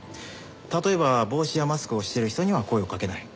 例えば帽子やマスクをしてる人には声をかけない。